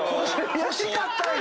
⁉欲しかったんや！